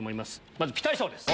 まずピタリ賞です。